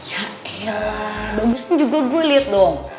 ya iya lah bagusnya juga gue liat dong